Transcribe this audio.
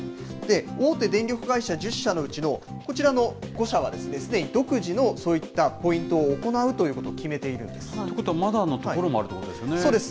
大手電力会社１０社のうちのこちらの５社は、すでに独自のそういったポイントを行うということをということはまだの所もあるそうです。